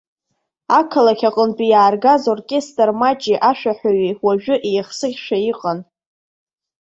Ақалақь аҟынтәи иааргаз оркестр маҷи ашәаҳәаҩи уажәы еихсыӷьшәа иҟан.